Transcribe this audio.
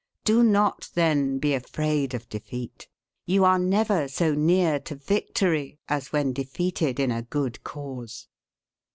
Do not, then, be afraid of defeat. You are never so near to victory as when defeated in a good cause."